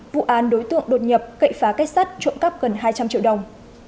vụ án đối tượng đột nhập cậy phá kết sắt trộm cắp gần hai trăm linh triệu đồng